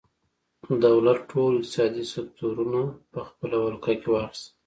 دولت ټول اقتصادي سکتورونه په خپله ولکه کې واخیستل.